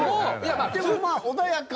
でもまあ穏やかな。